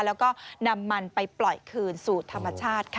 แล้วก็นำมันไปปล่อยคืนสู่ธรรมชาติค่ะ